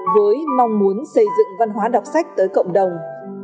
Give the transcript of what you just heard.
với mong muốn xây dựng văn hóa đọc sách tới cộng đồng